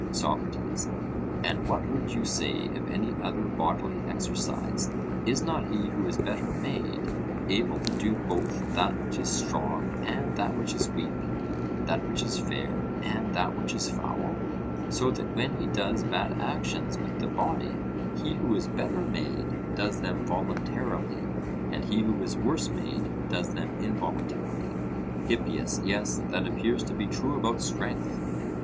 SOCRATES: And what would you say of any other bodily exercise is not he who is better made able to do both that which is strong and that which is weak that which is fair and that which is foul? so that when he does bad actions with the body, he who is better made does them voluntarily, and he who is worse made does them involuntarily. HIPPIAS: Yes, that appears to be true about strength.